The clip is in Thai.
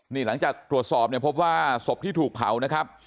นี่หลังจากตรวจสอบเนี่ยพบว่าศพที่ถูกเผานะครับ